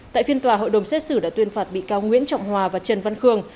tại phiên tòa hội đồng xét xử đã tuyên phạt bị cáo nguyễn trọng hòa và trần văn khương